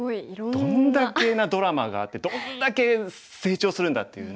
どんだけなドラマがあってどんだけ成長するんだっていうね。